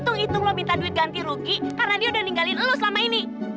hitung hitung lo minta duit ganti rugi karena dia udah ninggalin lo selama ini